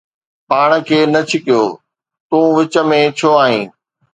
پاڻ کي نه ڇڪيو، تون وچ ۾ ڇو آهين؟